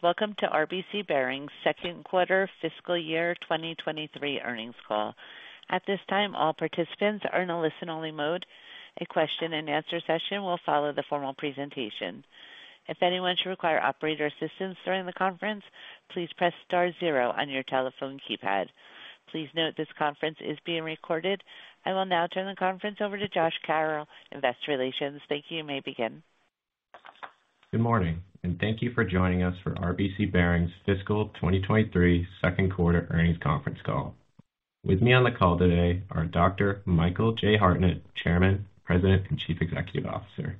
Welcome to RBC Bearings second quarter fiscal year 2023 earnings call. At this time, all participants are in a listen-only mode. A question-and-answer session will follow the formal presentation. If anyone should require operator assistance during the conference, please press star zero on your telephone keypad. Please note this conference is being recorded. I will now turn the conference over to Josh Carroll, Investor Relations. Thank you. You may begin. Good morning, and thank you for joining us for RBC Bearings fiscal 2023 second quarter earnings conference call. With me on the call today are Dr. Michael J. Hartnett, Chairman, President, and Chief Executive Officer,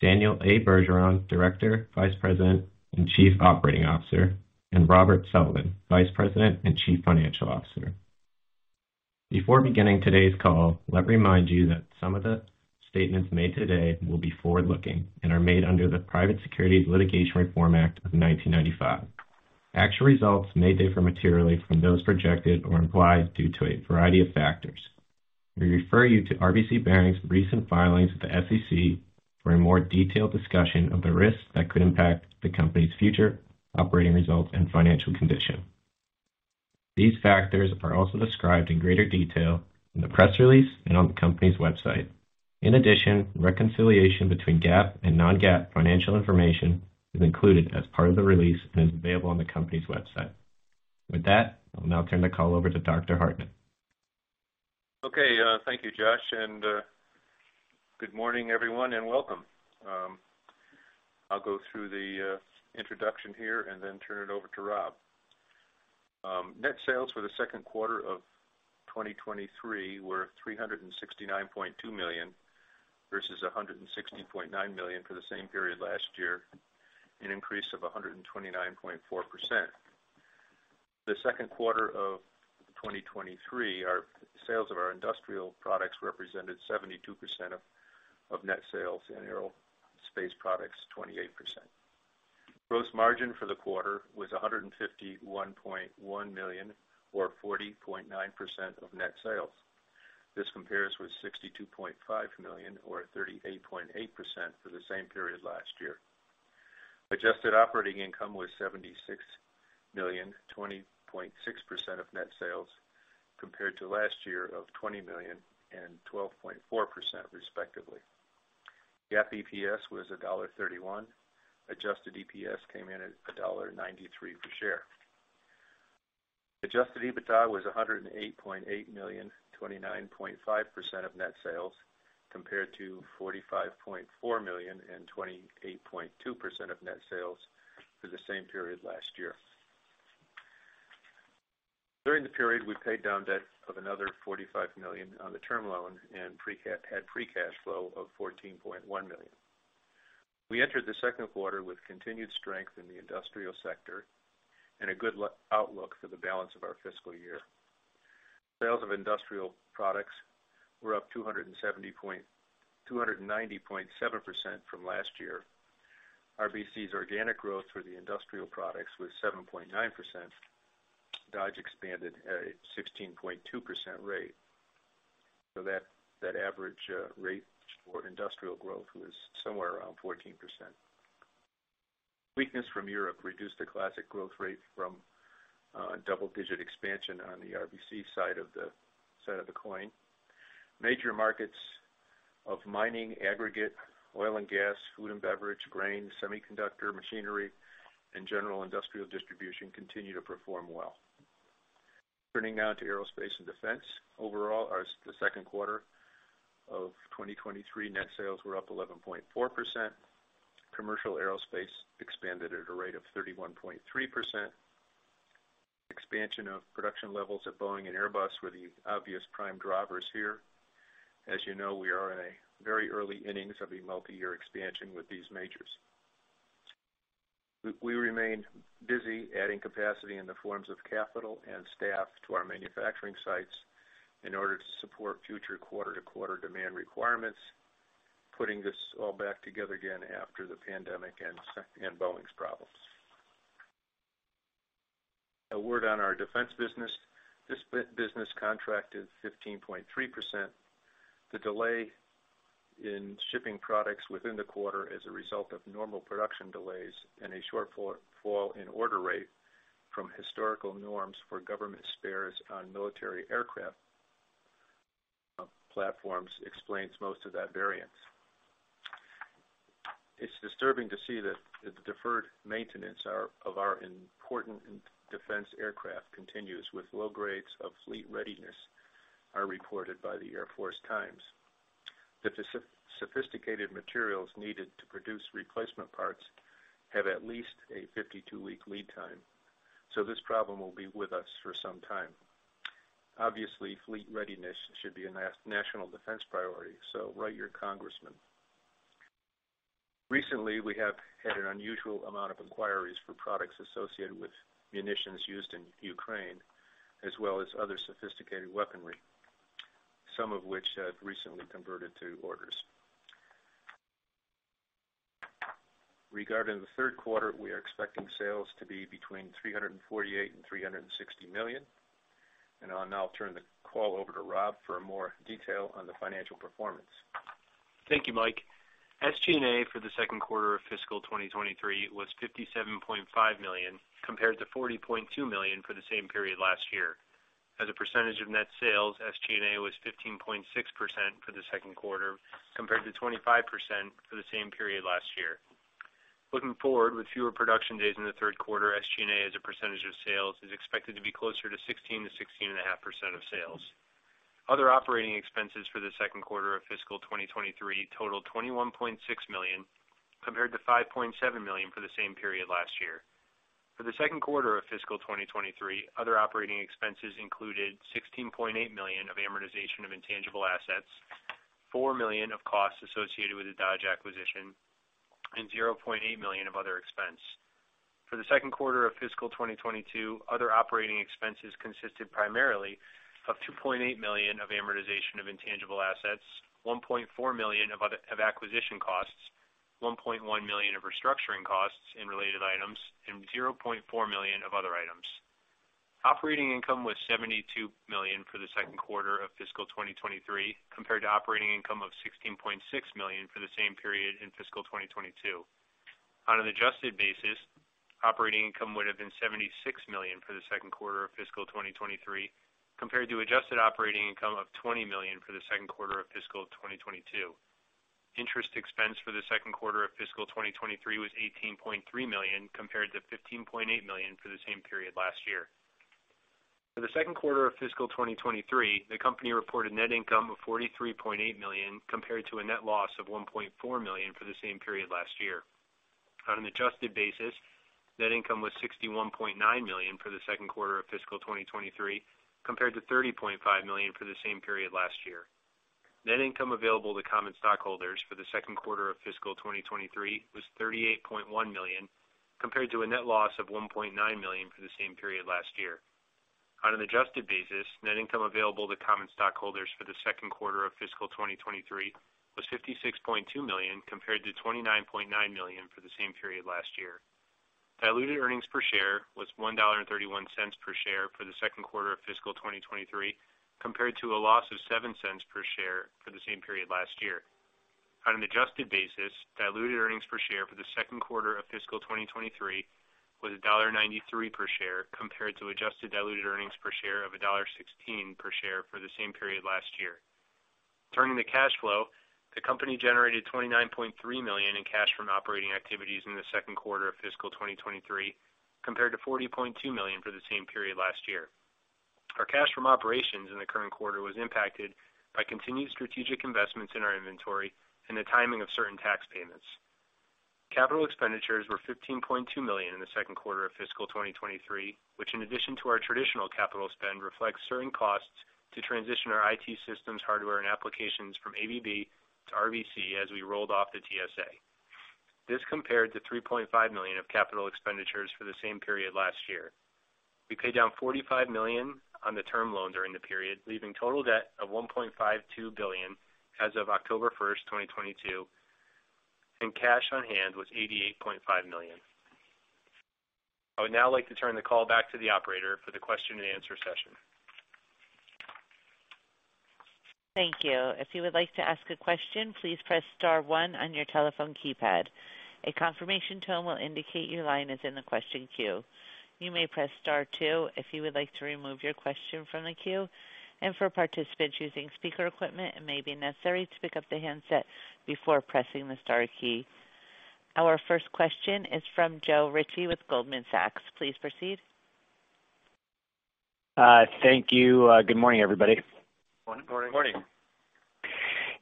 Daniel A. Bergeron, Director, Vice President, and Chief Operating Officer, and Robert Sullivan, Vice President and Chief Financial Officer. Before beginning today's call, let me remind you that some of the statements made today will be forward-looking and are made under the Private Securities Litigation Reform Act of 1995. Actual results may differ materially from those projected or implied due to a variety of factors. We refer you to RBC Bearings' recent filings with the SEC for a more detailed discussion of the risks that could impact the company's future operating results and financial condition. These factors are also described in greater detail in the press release and on the company's website. In addition, reconciliation between GAAP and non-GAAP financial information is included as part of the release and is available on the company's website. With that, I'll now turn the call over to Dr. Hartnett. Okay, thank you, Josh, and good morning, everyone, and welcome. I'll go through the introduction here and then turn it over to Rob. Net sales for the second quarter of 2023 were $369.2 million versus $169.9 million for the same period last year, an increase of 129.4%. The second quarter of 2023, our sales of our industrial products represented 72% of net sales and aerospace products, 28%. Gross margin for the quarter was $151.1 million or 40.9% of net sales. This compares with $62.5 million or 38.8% for the same period last year. Adjusted operating income was $76 million, 20.6% of net sales, compared to last year of $20 million and 12.4%, respectively. GAAP EPS was $1.31. Adjusted EPS came in at $1.93 per share. Adjusted EBITDA was $108.8 million, 29.5% of net sales, compared to $45.4 million and 28.2% of net sales for the same period last year. During the period, we paid down debt of another $45 million on the term loan and had free cash flow of $14.1 million. We entered the second quarter with continued strength in the industrial sector and a good outlook for the balance of our fiscal year. Sales of industrial products were up 290.7% from last year. RBC's organic growth for the industrial products was 7.9%. Dodge expanded at a 16.2% rate. That average rate for industrial growth was somewhere around 14%. Weakness from Europe reduced the Classic growth rate from double-digit expansion on the RBC side of the coin. Major markets of mining, aggregate, oil and gas, food and beverage, grain, semiconductor, machinery, and general industrial distribution continue to perform well. Turning now to aerospace and defense. Overall, the second quarter of 2023 net sales were up 11.4%. Commercial aerospace expanded at a rate of 31.3%. Expansion of production levels at Boeing and Airbus were the obvious prime drivers here. As you know, we are in a very early innings of a multi-year expansion with these majors. We remained busy adding capacity in the forms of capital and staff to our manufacturing sites in order to support future quarter-to-quarter demand requirements, putting this all back together again after the pandemic and Boeing's problems. A word on our defense business. This business contracted 15.3%. The delay in shipping products within the quarter as a result of normal production delays and a short fall in order rate from historical norms for government spares on military aircraft platforms explains most of that variance. It's disturbing to see that the deferred maintenance of our important defense aircraft continues with low grades of fleet readiness are reported by the Air Force Times. The sophisticated materials needed to produce replacement parts have at least a 52-week lead time, so this problem will be with us for some time. Obviously, fleet readiness should be a national defense priority, so write your congressman. Recently, we have had an unusual amount of inquiries for products associated with munitions used in Ukraine, as well as other sophisticated weaponry, some of which have recently converted to orders. Regarding the third quarter, we are expecting sales to be between $348 million and $360 million. I'll now turn the call over to Rob for more detail on the financial performance. Thank you, Mike. SG&A for the second quarter of fiscal 2023 was $57.5 million, compared to $40.2 million for the same period last year. As a percentage of net sales, SG&A was 15.6% for the second quarter, compared to 25% for the same period last year. Looking forward, with fewer production days in the third quarter, SG&A, as a percentage of sales, is expected to be closer to 16%-16.5% of sales. Other operating expenses for the second quarter of fiscal 2023 totaled $21.6 million, compared to $5.7 million for the same period last year. For the second quarter of fiscal 2023, other operating expenses included $16.8 million of amortization of intangible assets, $4 million of costs associated with the Dodge acquisition, and $0.8 million of other expense. For the second quarter of fiscal 2022, other operating expenses consisted primarily of $2.8 million of amortization of intangible assets, $1.4 million of acquisition costs, $1.1 million of restructuring costs and related items, and $0.4 million of other items. Operating income was $72 million for the second quarter of fiscal 2023, compared to operating income of $16.6 million for the same period in fiscal 2022. On an adjusted basis, operating income would have been $76 million for the second quarter of fiscal 2023, compared to adjusted operating income of $20 million for the second quarter of fiscal 2022. Interest expense for the second quarter of fiscal 2023 was $18.3 million, compared to $15.8 million for the same period last year. For the second quarter of fiscal 2023, the company reported net income of $43.8 million, compared to a net loss of $1.4 million for the same period last year. On an adjusted basis, net income was $61.9 million for the second quarter of fiscal 2023, compared to $30.5 million for the same period last year. Net income available to common stockholders for the second quarter of fiscal 2023 was $38.1 million, compared to a net loss of $1.9 million for the same period last year. On an adjusted basis, net income available to common stockholders for the second quarter of fiscal 2023 was $56.2 million, compared to $29.9 million for the same period last year. Diluted earnings per share was $1.31 per share for the second quarter of fiscal 2023, compared to a loss of $0.07 per share for the same period last year. On an adjusted basis, diluted earnings per share for the second quarter of fiscal 2023 was $1.93 per share, compared to adjusted diluted earnings per share of $1.16 per share for the same period last year. Turning to cash flow, the company generated $29.3 million in cash from operating activities in the second quarter of fiscal 2023, compared to $40.2 million for the same period last year. Our cash from operations in the current quarter was impacted by continued strategic investments in our inventory and the timing of certain tax payments. Capital expenditures were $15.2 million in the second quarter of fiscal 2023, which, in addition to our traditional capital spend, reflects certain costs to transition our IT systems, hardware, and applications from ABB to RBC as we rolled off the TSA. This compared to $3.5 million of capital expenditures for the same period last year. We paid down $45 million on the term loan during the period, leaving total debt of $1.52 billion as of October 1, 2022, and cash on hand was $88.5 million. I would now like to turn the call back to the operator for the question and answer session. Thank you. If you would like to ask a question, please press star one on your telephone keypad. A confirmation tone will indicate your line is in the question queue. You may press star two if you would like to remove your question from the queue. For participants using speaker equipment, it may be necessary to pick up the handset before pressing the star key. Our first question is from Joe Ritchie with Goldman Sachs. Please proceed. Thank you. Good morning, everybody. Morning. Morning.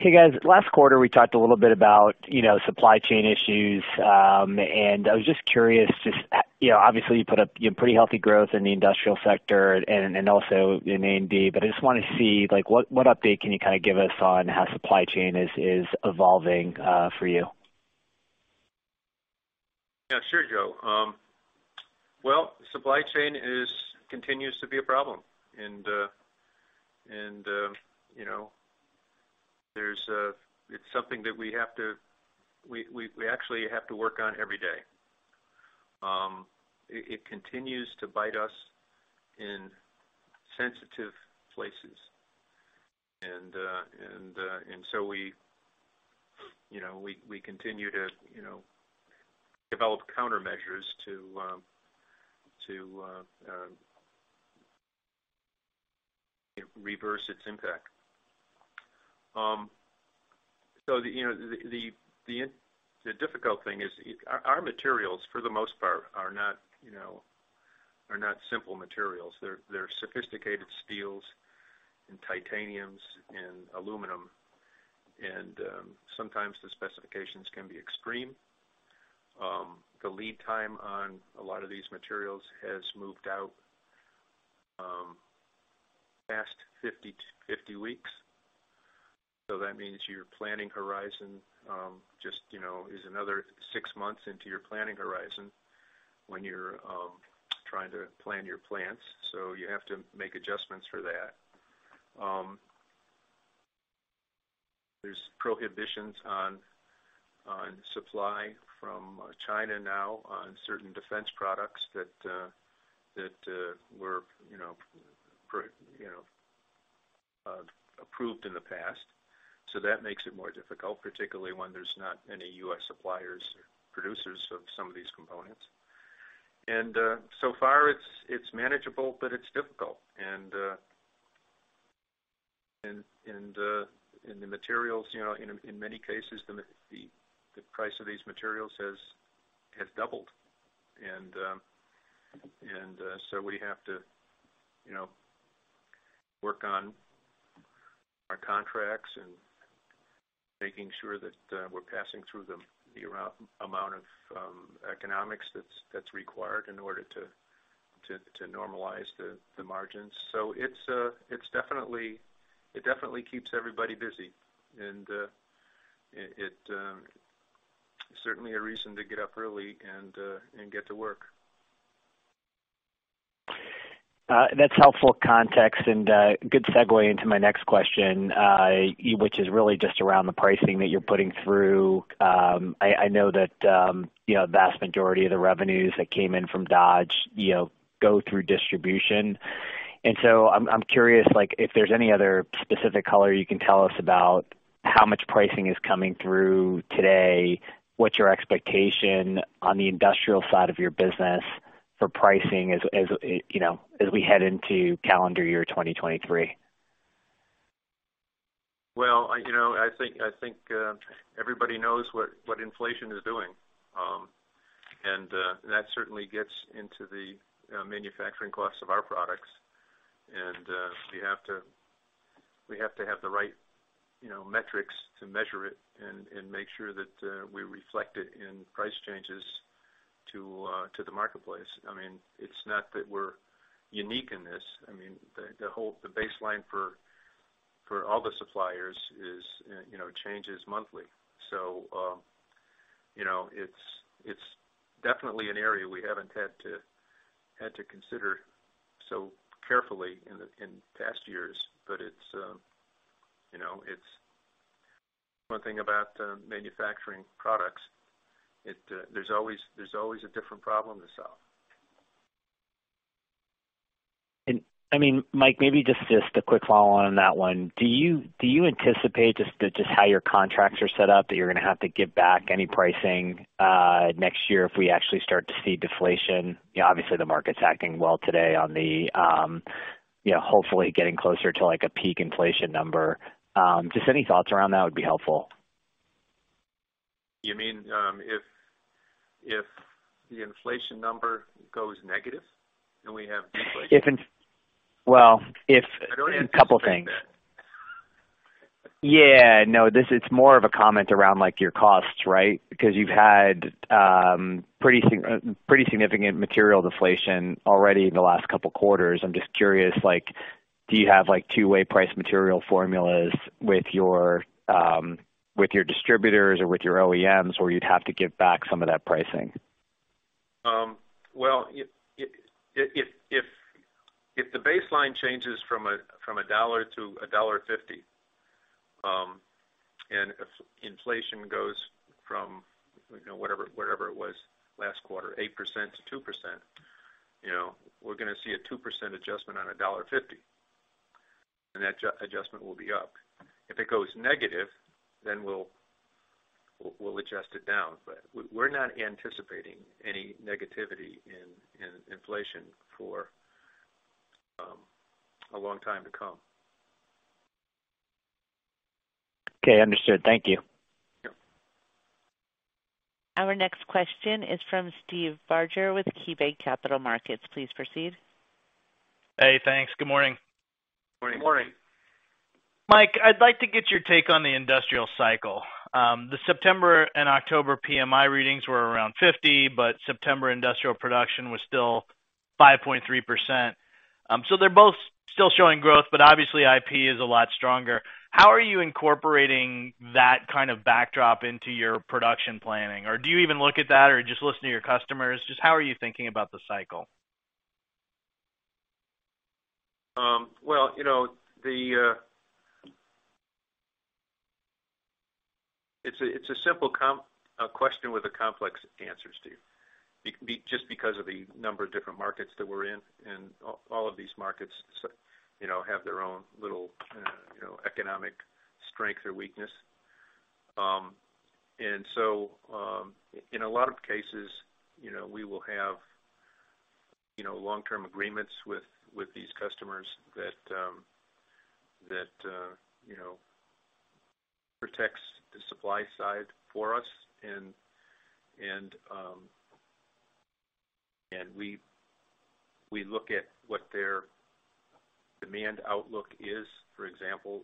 Hey, guys. Last quarter, we talked a little bit about, you know, supply chain issues. I was just curious, just you know, obviously you put up pretty healthy growth in the industrial sector and also in A&D. I just wanna see, like, what update can you kind of give us on how supply chain is evolving for you? Yeah, sure, Joe. Supply chain continues to be a problem. You know, it's something that we actually have to work on every day. It continues to bite us in sensitive places. We, you know, continue to, you know, develop countermeasures to reverse its impact. You know, the difficult thing is our materials, for the most part, are not simple materials. They're sophisticated steels and titaniums and aluminum. Sometimes the specifications can be extreme. The lead time on a lot of these materials has moved out past 50 weeks. That means your planning horizon, just, you know, is another six months into your planning horizon when you're trying to plan your plants, so you have to make adjustments for that. There's prohibitions on Supply from China now on certain defense products that were, you know, approved in the past. That makes it more difficult, particularly when there's not many U.S. suppliers or producers of some of these components. So far it's manageable, but it's difficult. The materials, you know, in many cases, the price of these materials has doubled. We have to, you know, work on our contracts and making sure that we're passing through the amount of economics that's required in order to normalize the margins. It definitely keeps everybody busy. It certainly a reason to get up early and get to work. That's helpful context and good segue into my next question, which is really just around the pricing that you're putting through. I know that, you know, vast majority of the revenues that came in from Dodge, you know, go through distribution. I'm curious, like, if there's any other specific color you can tell us about how much pricing is coming through today? What's your expectation on the industrial side of your business for pricing as, you know, as we head into calendar year 2023? Well, you know, I think everybody knows what inflation is doing. That certainly gets into the manufacturing costs of our products. We have to have the right, you know, metrics to measure it and make sure that we reflect it in price changes to the marketplace. I mean, it's not that we're unique in this. I mean, the whole baseline for all the suppliers, you know, changes monthly. You know, it's definitely an area we haven't had to consider so carefully in past years. But it's one thing about manufacturing products. There's always a different problem to solve. I mean, Mike, maybe just a quick follow on that one. Do you anticipate just how your contracts are set up, that you're gonna have to give back any pricing next year if we actually start to see deflation? You know, obviously, the market's acting well today on the you know, hopefully getting closer to like a peak inflation number. Just any thoughts around that would be helpful. You mean, if the inflation number goes negative and we have deflation? If... I don't anticipate that. A couple things. Yeah, no, this is more of a comment around like your costs, right? Because you've had pretty significant material deflation already in the last couple quarters. I'm just curious, like, do you have like two-way price material formulas with your distributors or with your OEMs where you'd have to give back some of that pricing? If the baseline changes from $1-$1.50, and if inflation goes from, you know, whatever it was last quarter, 8%-2%, you know, we're gonna see a 2% adjustment on $1.50, and that adjustment will be up. If it goes negative, we'll adjust it down. We're not anticipating any negativity in inflation for a long time to come. Okay, understood. Thank you. Sure. Our next question is from Steve Barger with KeyBanc Capital Markets. Please proceed. Hey, thanks. Good morning. Morning. Morning. Mike, I'd like to get your take on the industrial cycle. The September and October PMI readings were around 50, but September industrial production was still 5.3%. They're both still showing growth, but obviously IP is a lot stronger. How are you incorporating that kind of backdrop into your production planning? Or do you even look at that or just listen to your customers? Just how are you thinking about the cycle? Well, you know, the... It's a simple question with a complex answer, Steve. Just because of the number of different markets that we're in, and all of these markets, you know, have their own little, you know, economic strength or weakness. In a lot of cases, you know, we will have, you know, long-term agreements with these customers that, you know, protects the supply side for us. And we look at what their demand outlook is. For example,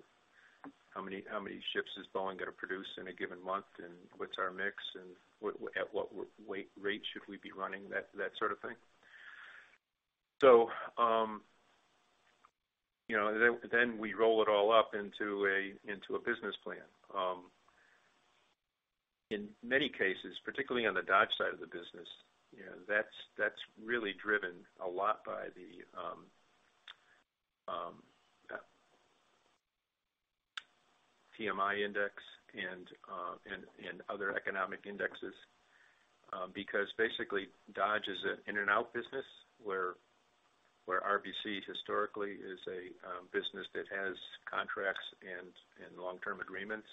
how many ships is Boeing gonna produce in a given month, and what's our mix and at what weight rate should we be running? That sort of thing. You know, then we roll it all up into a business plan. In many cases, particularly on the Dodge side of the business, you know, that's really driven a lot by the PMI index and other economic indexes, because basically Dodge is an in and out business where RBC historically is a business that has contracts and long-term agreements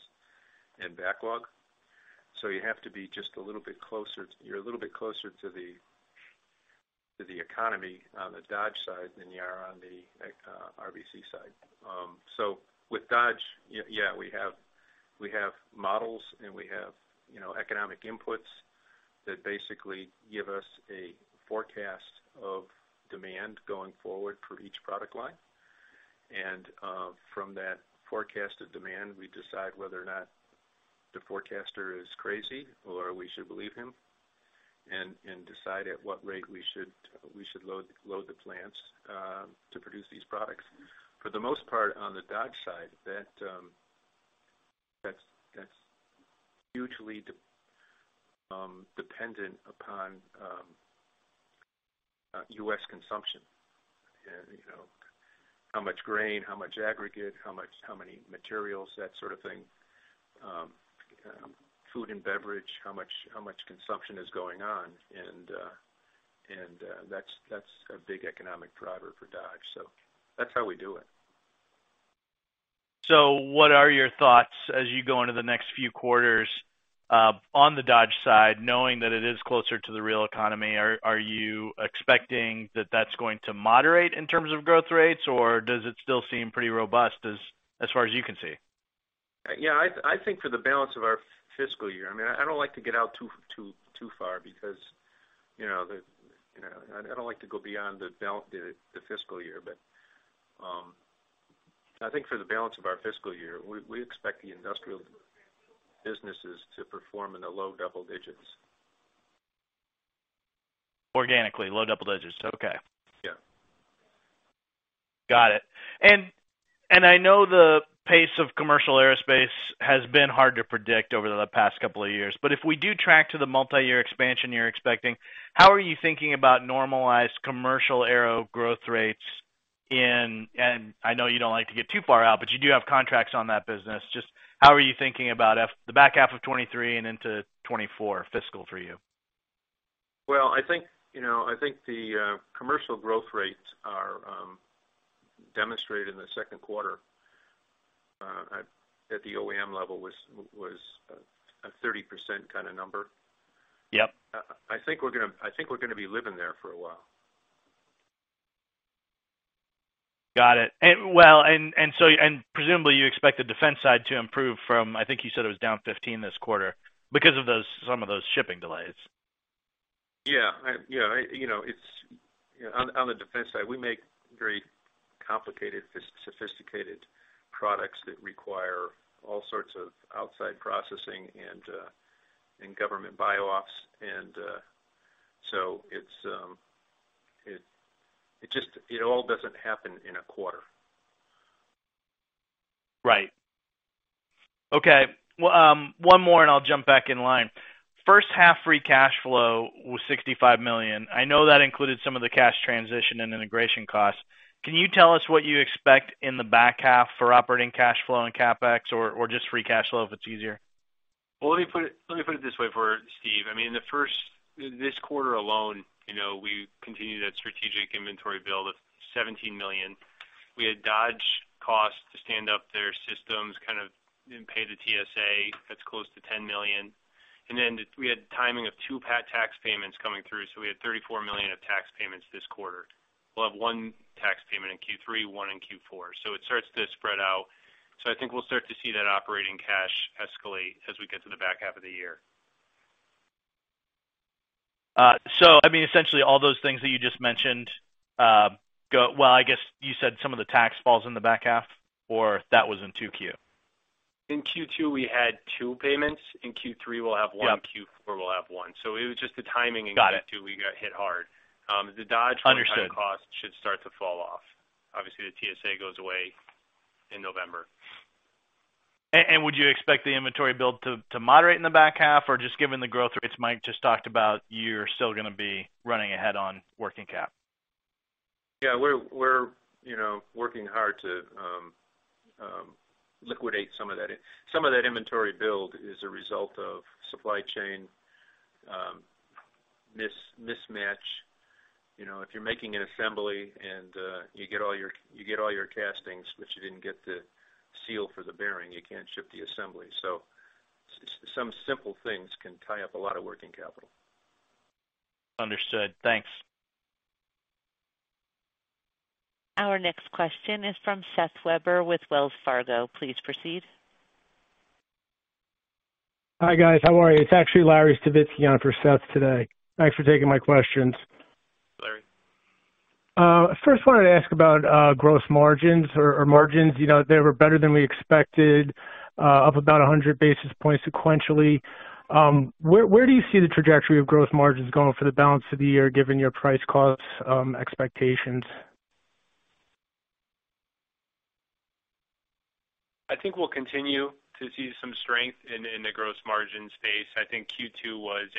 and backlog. You have to be just a little bit closer. You're a little bit closer to the economy on the Dodge side than you are on the RBC side. With Dodge, yeah, we have models, and we have, you know, economic inputs that basically give us a forecast of demand going forward for each product line. From that forecasted demand, we decide whether or not the forecaster is crazy or we should believe him and decide at what rate we should load the plants to produce these products. For the most part, on the Dodge side, that's hugely dependent upon U.S. consumption and, you know, how much grain, how much aggregate, how much, how many materials, that sort of thing. Food and beverage, how much consumption is going on. That's a big economic driver for Dodge. That's how we do it. What are your thoughts as you go into the next few quarters on the Dodge side, knowing that it is closer to the real economy? Are you expecting that that's going to moderate in terms of growth rates, or does it still seem pretty robust as far as you can see? Yeah, I think for the balance of our fiscal year, I mean, I don't like to get out too far because, you know, I don't like to go beyond the fiscal year. I think for the balance of our fiscal year, we expect the industrial businesses to perform in the low double digits. Organically, low double digits. Okay. Yeah. Got it. I know the pace of commercial aerospace has been hard to predict over the past couple of years, but if we do track to the multiyear expansion you're expecting, how are you thinking about normalized commercial aero growth rates in, and I know you don't like to get too far out, but you do have contracts on that business. Just how are you thinking about the back half of 2023 and into 2024 fiscal for you? Well, I think, you know, I think the commercial growth rates are demonstrated in the second quarter, at the OEM level was a 30% kind of number. Yep. I think we're gonna be living there for a while. Got it. Well, presumably you expect the defense side to improve from, I think you said it was down 15% this quarter because of those, some of those shipping delays. You know, it's on the defense side. We make very complicated, sophisticated products that require all sorts of outside processing and government buy offs. It's just, it all doesn't happen in a quarter. Right. Okay. One more, and I'll jump back in line. First half free cash flow was $65 million. I know that included some of the cash transition and integration costs. Can you tell us what you expect in the back half for operating cash flow and CapEx or just free cash flow, if it's easier? Well, let me put it this way for Steve. I mean, this quarter alone, you know, we continued that strategic inventory build of $17 million. We had Dodge costs to stand up their systems, kind of, and pay the TSA. That's close to $10 million. Then we had timing of two VAT tax payments coming through, so we had $34 million of tax payments this quarter. We'll have one tax payment in Q3, one in Q4, so it starts to spread out. I think we'll start to see that operating cash escalate as we get to the back half of the year. I mean, essentially all those things that you just mentioned. Well, I guess you said some of the tax falls in the back half, or that was in 2Q? In Q2, we had two payments. In Q3, we'll have one. Yep. In Q4, we'll have one. It was just the timing in Q2. Got it. We got hit hard. The Dodge one-time costs. Understood. should start to fall off. Obviously, the TSA goes away in November. Would you expect the inventory build to moderate in the back half, or just given the growth rates Mike just talked about, you're still gonna be running ahead on working cap? Yeah. We're you know working hard to liquidate some of that. Some of that inventory build is a result of supply chain mismatch. You know, if you're making an assembly and you get all your castings, but you didn't get the seal for the bearing, you can't ship the assembly. Some simple things can tie up a lot of working capital. Understood. Thanks. Our next question is from Seth Weber with Wells Fargo. Please proceed. Hi, guys. How are you? It's actually Lawrence Stavitski on for Seth today. Thanks for taking my questions. Larry. First wanted to ask about gross margins or margins. You know, they were better than we expected, up about 100 basis points sequentially. Where do you see the trajectory of gross margins going for the balance of the year, given your price cost expectations? I think we'll continue to see some strength in the gross margin space. I think Q2 was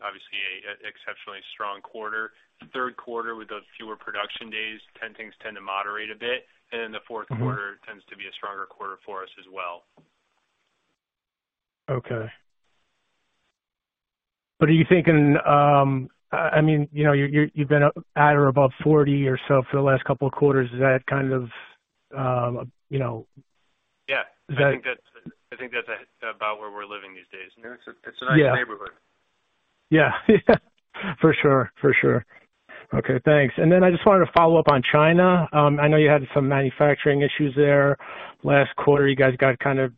obviously an exceptionally strong quarter. Third quarter with those fewer production days, then things tend to moderate a bit, and in the fourth quarter tends to be a stronger quarter for us as well. Okay. Are you thinking, I mean, you know, you've been at or above 40 or so for the last couple of quarters. Is that kind of, you know? Yeah. Is that? I think that's about where we're living these days. Yeah. It's a nice neighborhood. Yeah. For sure. Okay, thanks. I just wanted to follow up on China. I know you had some manufacturing issues there last quarter. You guys got kind of,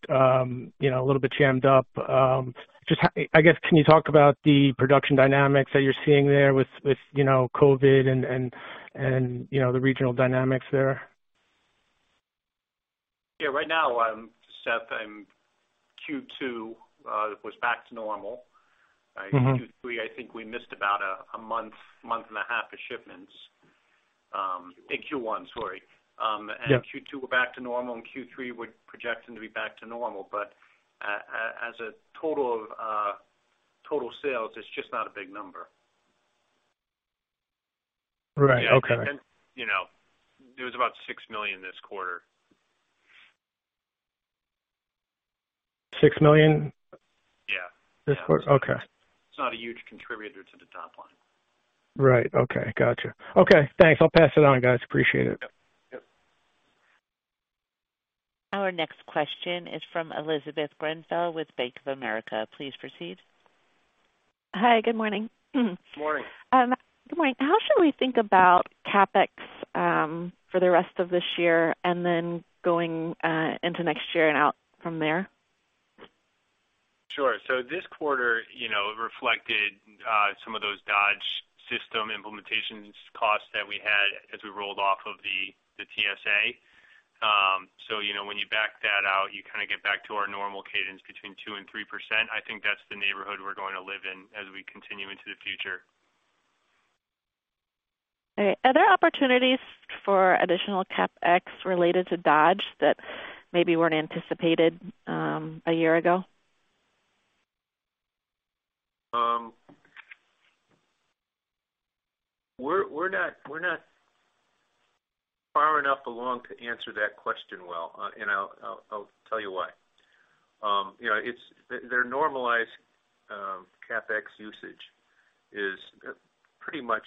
you know, a little bit jammed up. I guess, can you talk about the production dynamics that you're seeing there with, you know, COVID and, you know, the regional dynamics there? Yeah. Right now, Seth, Q2 was back to normal. Mm-hmm. Q3, I think we missed about a month and a half of shipments. Q1. In Q1, sorry. Yeah. Q2, we're back to normal, and Q3 we're projecting to be back to normal. But as a total of sales, it's just not a big number. Right. Okay. You know, it was about $6 million this quarter. $6 million? Yeah. Okay. It's not a huge contributor to the top line. Right. Okay. Gotcha. Okay, thanks. I'll pass it on, guys. Appreciate it. Yep. Yep. Our next question is from Elizabeth Davies with Bank of America. Please proceed. Hi. Good morning. Morning. Good morning. How should we think about CapEx for the rest of this year and then going into next year and out from there? Sure. This quarter, you know, reflected some of those Dodge system implementations costs that we had as we rolled off of the TSA. You know, when you back that out, you kinda get back to our normal cadence between 2% and 3%. I think that's the neighborhood we're going to live in as we continue into the future. Okay. Are there opportunities for additional CapEx related to Dodge that maybe weren't anticipated, a year ago? We're not far enough along to answer that question well, and I'll tell you why. You know, it's their normalized CapEx usage is pretty much,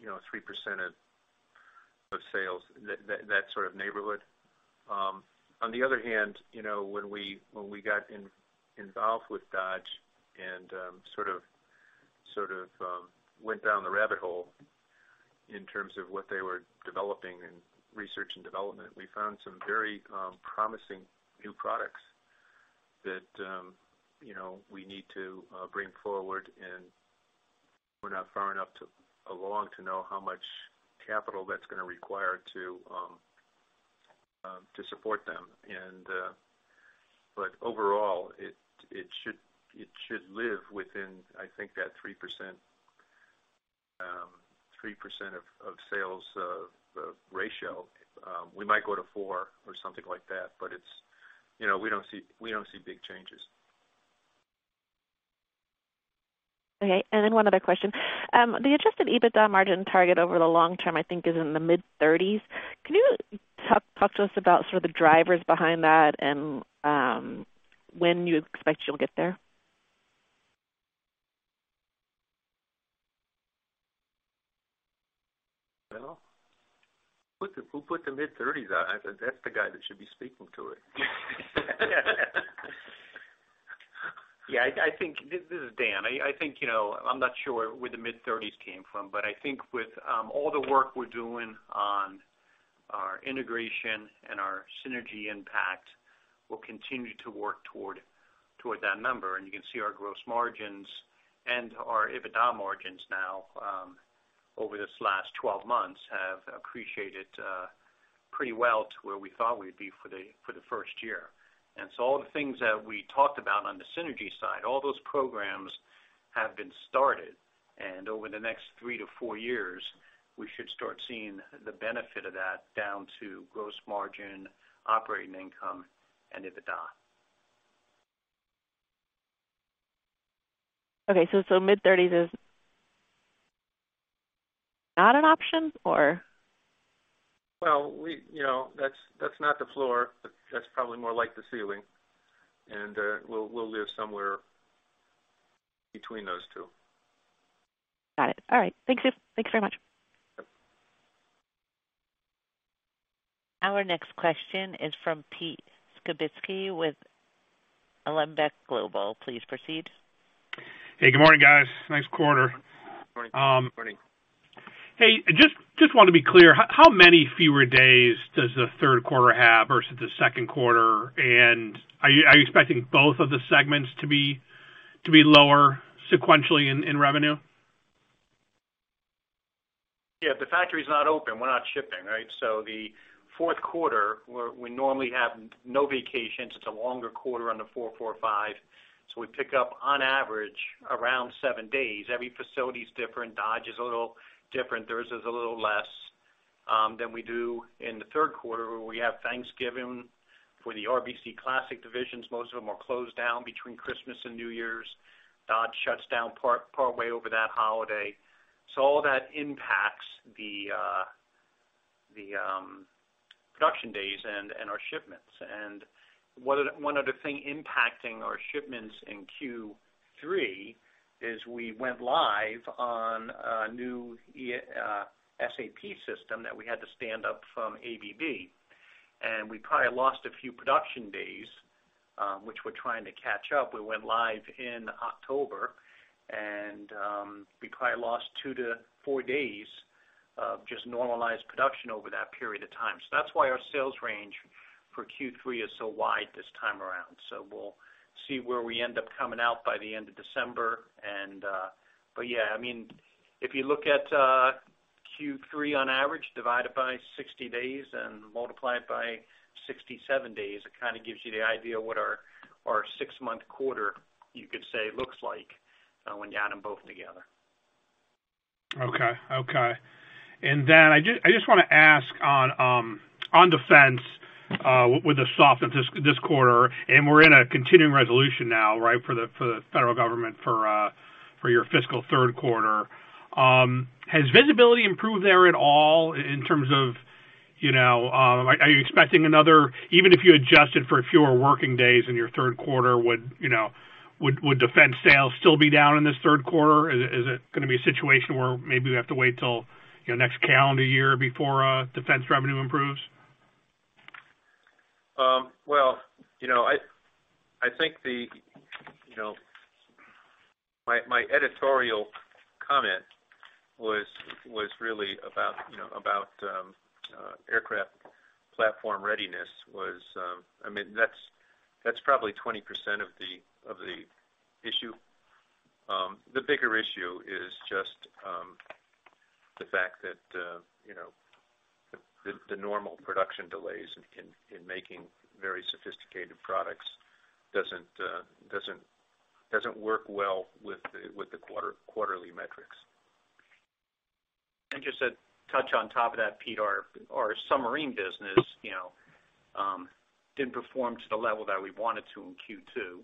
you know, 3% of sales, that sort of neighborhood. On the other hand, you know, when we got involved with Dodge and sort of went down the rabbit hole in terms of what they were developing in research and development, we found some very promising new products that, you know, we need to bring forward and we're not far enough along to know how much capital that's gonna require to support them. But overall, it should live within, I think, that 3% of sales ratio. We might go to four or something like that, but it's. You know, we don't see big changes. Okay. One other question. The adjusted EBITDA margin target over the long term, I think, is in the mid-30s%. Can you talk to us about sort of the drivers behind that and when you expect you'll get there? Daniel? Who put the mid-30s out? That's the guy that should be speaking to it. Yeah. This is Daniel A. Bergeron. I think, you know, I'm not sure where the mid-30s came from, but I think with all the work we're doing on our integration and our synergy impact, we'll continue to work toward that number. You can see our gross margins and our EBITDA margins now over the last 12 months have appreciated pretty well to where we thought we'd be for the first year. All the things that we talked about on the synergy side, all those programs have been started, and over the next three to four years, we should start seeing the benefit of that down to gross margin, operating income, and EBITDA. Okay. Mid-thirties is not an option or? Well, you know, that's not the floor. That's probably more like the ceiling. We'll live somewhere between those two. Got it. All right. Thank you. Thank you very much. Yep. Our next question is from Pete Skibitski with Alembic Global. Please proceed. Hey, good morning, guys. Nice quarter. Morning. Morning. Hey, just want to be clear, how many fewer days does the third quarter have versus the second quarter? And are you expecting both of the segments to be lower sequentially in revenue? Yeah, the factory's not open. We're not shipping, right? The fourth quarter where we normally have no vacations, it's a longer quarter on the 4-4-5. We pick up on average around seven days. Every facility is different. Dodge is a little different. There's a little less than we do in the third quarter, where we have Thanksgiving. For the RBC Classic divisions, most of them are closed down between Christmas and New Year's. Dodge shuts down partway over that holiday. All that impacts the production days and our shipments. One of the thing impacting our shipments in Q3 is we went live on a new ERP SAP system that we had to stand up from ABB. We probably lost a few production days, which we're trying to catch up. We went live in October and we probably lost 2-4 days of just normalized production over that period of time. That's why our sales range for Q3 is so wide this time around. We'll see where we end up coming out by the end of December. Yeah, I mean, if you look at Q3 on average, divided by 60 days and multiply it by 67 days, it kind of gives you the idea what our six-month quarter, you could say, looks like when you add them both together. Okay. I just wanna ask on defense with the softness this quarter, and we're in a continuing resolution now, right? For the federal government for your fiscal third quarter. Has visibility improved there at all in terms of, you know, even if you adjusted for fewer working days in your third quarter, would, you know, defense sales still be down in this third quarter? Is it gonna be a situation where maybe we have to wait till, you know, next calendar year before defense revenue improves? Well, you know, I think, you know. My editorial comment was really about, you know, about aircraft platform readiness. I mean, that's probably 20% of the issue. The bigger issue is just the fact that, you know, the normal production delays in making very sophisticated products doesn't work well with the quarterly metrics. Just to touch on top of that, Pete, our submarine business, you know, didn't perform to the level that we wanted to in Q2,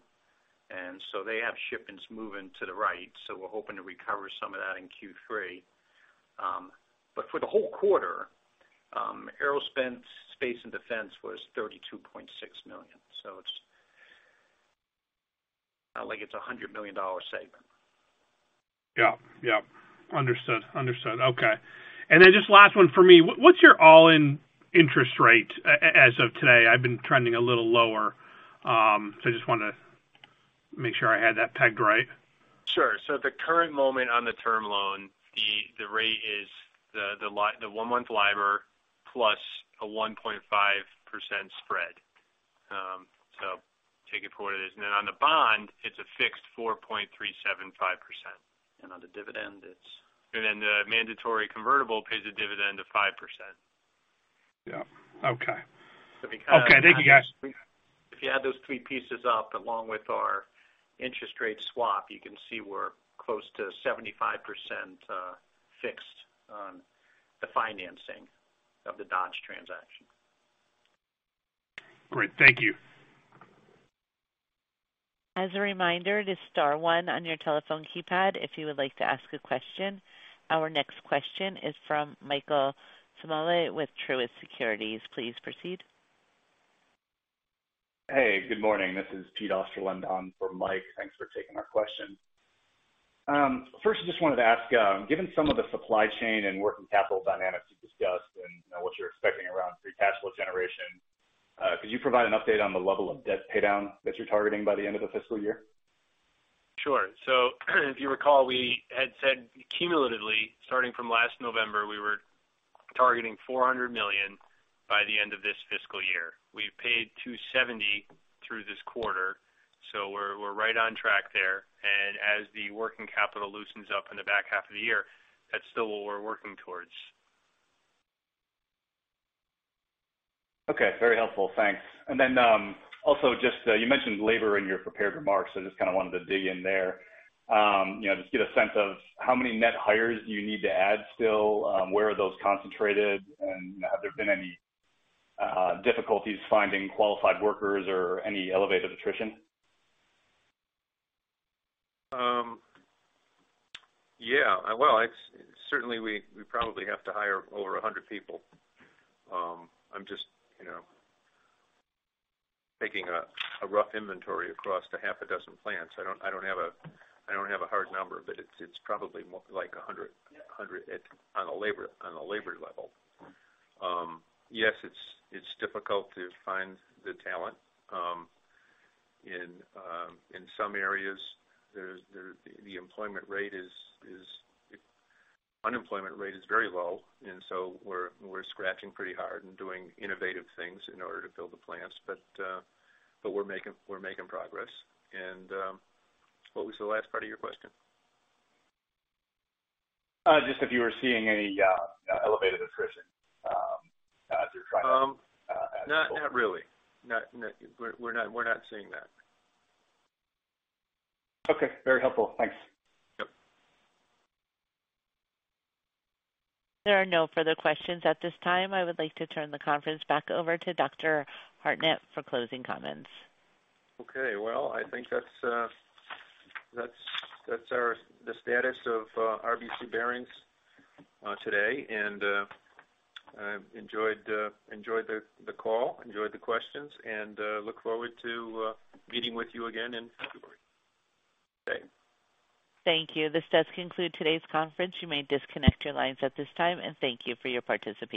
and so they have shipments moving to the right, so we're hoping to recover some of that in Q3. But for the whole quarter, Aerospace, Space and Defense was $32.6 million. So it's not like it's a $100 million segment. Yeah. Understood. Okay. Just last one for me. What's your all in interest rate as of today? I've been trending a little lower, so I just wanna make sure I had that pegged right. Sure. At the current moment on the term loan, the rate is the one-month LIBOR plus a 1.5% spread. Take it for what it is. Then on the bond, it's a fixed 4.375%. On the dividend, it's. The mandatory convertible pays a dividend of 5%. Yeah. Okay. Thank you, guys. If you add those three pieces up, along with our interest rate swap, you can see we're close to 75%, fixed on the financing of the Dodge transaction. Great. Thank you. As a reminder, it is star one on your telephone keypad if you would like to ask a question. Our next question is from Michael Ciarmoli with Truist Securities. Please proceed. Hey, good morning. This is Peter Osterland on for Mike. Thanks for taking our question. First, I just wanted to ask, given some of the supply chain and working capital dynamics you've discussed and what you're expecting around free cash flow generation, could you provide an update on the level of debt paydown that you're targeting by the end of the fiscal year? Sure. If you recall, we had said cumulatively, starting from last November, we were targeting $400 million by the end of this fiscal year. We've paid $270 million through this quarter, so we're right on track there. As the working capital loosens up in the back half of the year, that's still what we're working towards. Okay. Very helpful. Thanks. Also just, you mentioned labor in your prepared remarks, so I just kinda wanted to dig in there. You know, just get a sense of how many net hires do you need to add still? Where are those concentrated? Have there been any difficulties finding qualified workers or any elevated attrition? Yeah. Well, certainly, we probably have to hire over 100 people. I'm just, you know, taking a rough inventory across two to half a dozen plants. I don't have a hard number, but it's probably more like 100 on a labor level. Yes, it's difficult to find the talent. In some areas, the unemployment rate is very low, so we're scratching pretty hard and doing innovative things in order to fill the plants. We're making progress. What was the last part of your question? Just if you were seeing any elevated attrition as you're trying to... Not really. We're not seeing that. Okay, very helpful. Thanks. Yep. There are no further questions at this time. I would like to turn the conference back over to Dr. Hartnett for closing comments. Okay. Well, I think that's the status of RBC Bearings today. I've enjoyed the call, enjoyed the questions, and look forward to meeting with you again in February. Thank you. This does conclude today's conference. You may disconnect your lines at this time, and thank you for your participation.